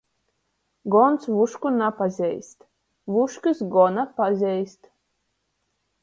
Gons vušku napazeist, vuškys gona pazeist.